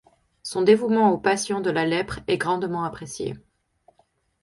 Son dévouement aux patients de la lèpre est grandement apprécié.